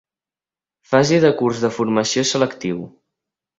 Fase de curs de formació selectiu.